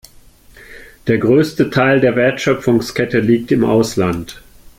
Der größte Teil der Wertschöpfungskette liegt im Ausland.